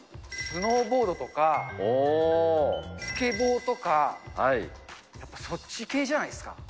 スノーボードとか、スケボーとか、やっぱそっち系じゃないですか。